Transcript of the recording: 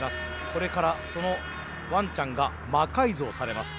これからそのワンちゃんが魔改造されます。